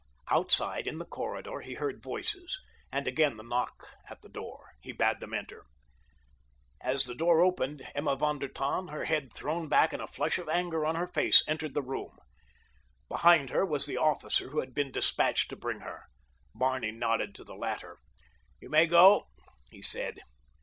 Outside, in the corridor, he heard voices, and again the knock at the door. He bade them enter. As the door opened Emma von der Tann, her head thrown back and a flush of anger on her face, entered the room. Behind her was the officer who had been despatched to bring her. Barney nodded to the latter. "You may go," he said.